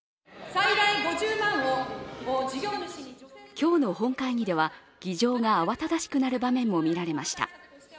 今日の本会議では議場が慌ただしくなる場面も見られました。